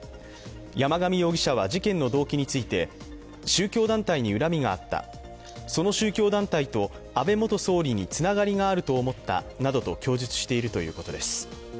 山上容疑者は事件の動機について宗教団体にうらみがあったその宗教団体と安倍元総理につながりがあると思ったなどと供述しているということです。